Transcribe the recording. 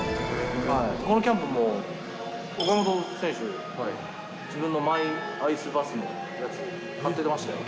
このキャンプも岡本選手、自分のマイアイスバスのやつ、えー？